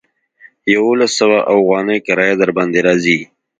يوولس سوه اوغانۍ کرايه درباندې راځي.